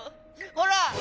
ほら！